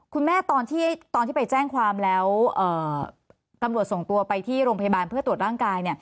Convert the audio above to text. คุณแม่ตอนที่ไปแจ้งความแล้วตำรวจส่งตัวไปที่โรงพยาบาลเพื่อตรวจร่างกาย